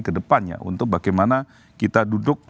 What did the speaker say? kedepannya untuk bagaimana kita duduk